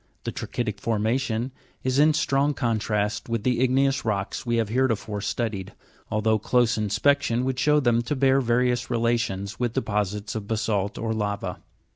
The tra'chytic formation is in strong contrast with the igneous rocks we have heretofore studied, al though close inspection would show them to bear various relations with deposits of basa'lt or lava.